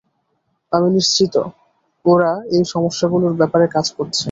আমি নিশ্চিত, ওরা এই সমস্যাগুলোর ব্যাপারে কাজ করছে।